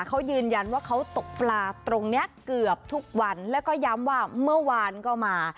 เขายืนยันว่าเขาตกปลาตรงนี้เกือบทุกวันแล้วก็ย้ำว่าเมื่อวานก็มา